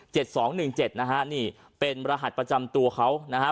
สองหนึ่งเจ็ดนะฮะนี่เป็นรหัสประจำตัวเขานะฮะ